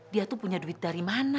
dia tuh punya duit dari mana